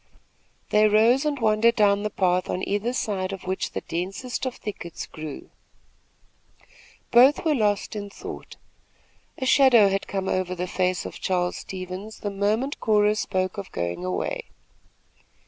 They rose and wandered down the path on either side of which the densest of thickets grew. Both were lost in thought. A shadow had come over the face of Charles Stevens the moment Cora spoke of going away.